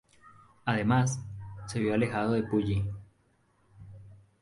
Además, se vio alejado de Puyi.